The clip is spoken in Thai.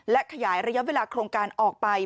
และขยายระยะเวลาโครงการออกไป